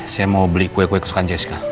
saya mau beli kue kue kesukaan jessica